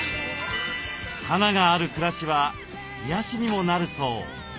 花がある暮らしは癒やしにもなるそう。